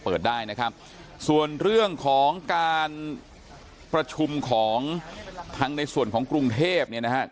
เปิดได้นะครับส่วนเรื่องของการประชุมของทางในส่วนของกรุงเทพเนี่ยนะครับ